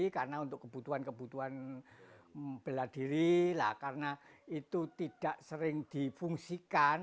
karena untuk kebutuhan kebutuhan beladiri karena itu tidak sering difungsikan